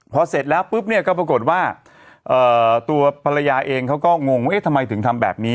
พอเสร็จแล้วปุ๊บเนี่ยก็ปรากฏว่าตัวภรรยาเองเขาก็งงว่าเอ๊ะทำไมถึงทำแบบนี้